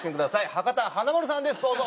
博多華丸さんですどうぞ！」